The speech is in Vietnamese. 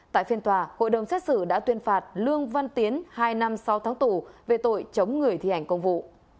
tại phiên tòa hội đồng xét xử đã tuyên phạt lương văn tiến hai năm sáu tháng tù về tội chống người thi hành công vụ